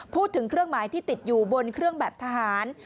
เครื่องหมายที่ติดอยู่บนเครื่องแบบทหาร